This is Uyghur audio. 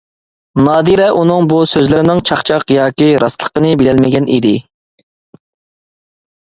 نادىرە ئۇنىڭ بۇ سۆزلىرىنىڭ چاقچاق ياكى راستلىقىنى بىلەلمىگەن ئىدى.